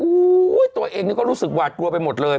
ตัวเองนี่ก็รู้สึกหวาดกลัวไปหมดเลย